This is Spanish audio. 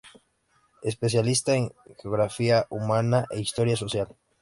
Especialista en Geografía Humana e Historia Social.